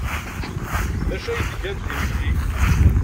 D acu ay d-gant d imekli?